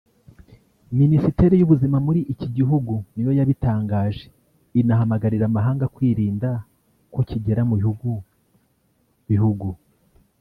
Minisiteri y’ ubuzima muri iki gihugu niyo yabitangaje inahamagarira amahanga kwirinda ko kigera mu bihugu bihugu